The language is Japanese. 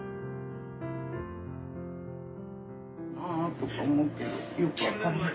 とか思うけどよく分かんない。